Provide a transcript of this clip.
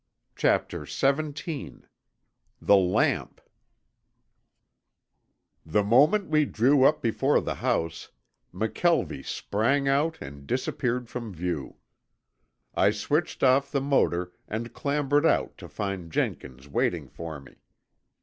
CHAPTER XVII THE LAMP The moment we drew up before the house, McKelvie sprang out and disappeared from view. I switched off the motor and clambered out to find Jenkins waiting for me.